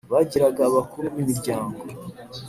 bagiraga abakuru b’imiryango: